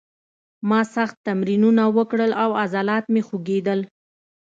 ما سخت تمرینونه وکړل او عضلات مې خوږېدل